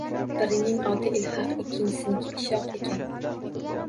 Birining oti Ilhaq, ikkinchisiniki Ishoq ekan.